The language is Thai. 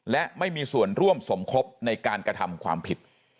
และไม่มีส่วนร่วมสมคบในการกระทำความผิด